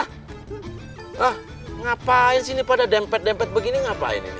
hah ngapain sih ini pada dempet dempet begini ngapain ini